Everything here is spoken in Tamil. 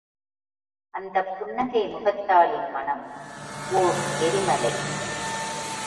அந்தப் புன்னகை முகத்தாளின் மனம், ஓர் எரி மலை!